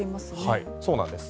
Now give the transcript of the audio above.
はい、そうなんです。